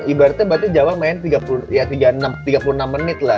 ibaratnya jaman main tiga puluh enam menit lah